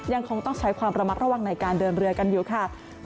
ยังคงต้องใช้ความระมัดระวังในการเดินเรือกันอยู่ค่ะ